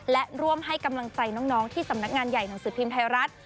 และร่วมให้กำลังใจน้องที่สำนักงานใหญ่หนังสือพิมพ์ไทยรัฐ